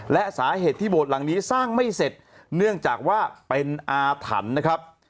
และสาเหตุที่โบสถ์หลังนี้สร้างไม่เสร็จเนื่องจากว่าเป็นอาถรรพ์นะครับ